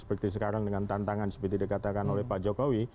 seperti sekarang dengan tantangan seperti dikatakan oleh pak jokowi